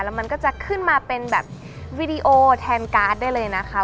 แล้วมันก็จะขึ้นมาเป็นแบบวีดีโอแทนการ์ดได้เลยนะคะ